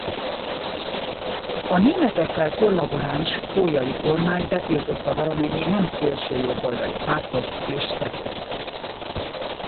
A németekkel kollaboráns Sztójay-kormány betiltotta valamennyi nem szélsőjobboldali pártot és szervezetet.